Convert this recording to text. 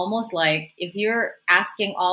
jurisdikasi yang berbeda untuk menjadi